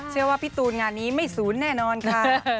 เชื่อว่าพี่ตูนงานนี้ไม่ศูนย์แน่นอนค่ะ